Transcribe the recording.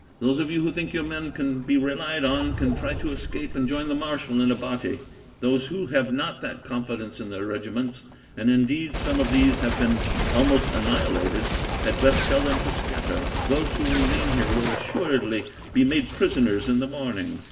"Those of you who think your men can be relied on, can try to escape and join the marshal in a body. Those who have not that confidence in their regiments and indeed some of these have been almost annihilated had best tell them to scatter. Those who remain here will assuredly be made prisoners in the morning.